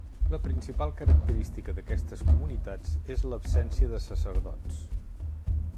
La principal característica d'aquestes comunitats és l'absència de sacerdots.